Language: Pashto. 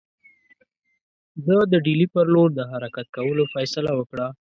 ده د ډهلي پر لور د حرکت کولو فیصله وکړه.